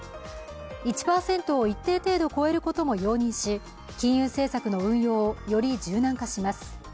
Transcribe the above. １％を一定程度超えることも容認し金融政策の運用をより柔軟化します。